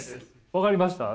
分かりました？